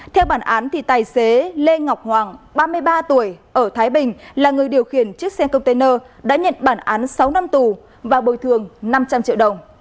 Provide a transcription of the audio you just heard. theo bản án tài xế lê ngọc hoàng ba mươi ba tuổi ở thái bình là người điều khiển chiếc xe container đã nhận bản án sáu năm tù và bồi thường năm trăm linh triệu đồng